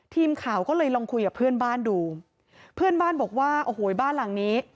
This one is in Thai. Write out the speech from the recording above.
ทีมข่าวก็เลยลองคุยกับเพื่อนบ้านดูเพื่อนบ้านบอกว่าโอ้โหบ้านหลังนี้